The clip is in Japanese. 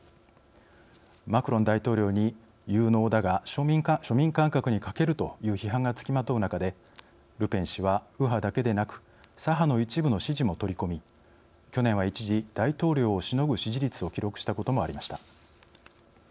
マクロン大統領に「有能だが庶民感覚に欠ける」という批判がつきまとう中でルペン氏は、右派だけでなく左派の一部の支持も取り込み去年は一時大統領をしのぐ支持率を記録したこともありました。